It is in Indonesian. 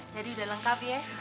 jadi udah lengkap ya